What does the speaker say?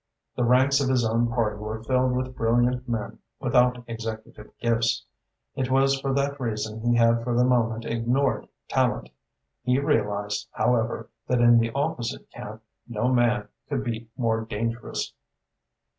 The ranks of his own party were filled with brilliant men without executive gifts. It was for that reason he had for the moment ignored Tallente. He realised, however, that in the opposite camp no man could be more dangerous.